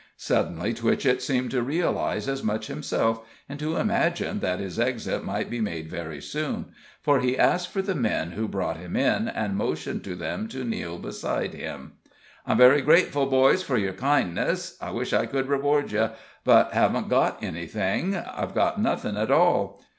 Suddenly Twitchett seemed to realize as much himself, and to imagine that his exit might be made very soon, for he asked for the men who brought him in, and motioned to them to kneel beside him. "I'm very grateful, boys, for your kindness I wish I could reward you; but haven't got anything I've got nothing at all.